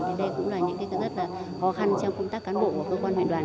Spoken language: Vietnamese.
thì rất là khó khăn trong công tác cán bộ của cơ quan huyện đoàn